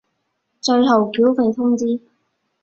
最後繳費通知